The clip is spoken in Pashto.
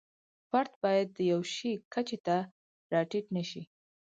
فرد باید د یوه شي کچې ته را ټیټ نشي.